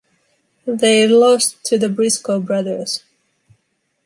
They lost to the Briscoe Brothers.